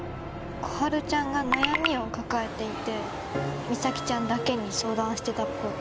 心春ちゃんが悩みを抱えていて実咲ちゃんだけに相談してたっぽい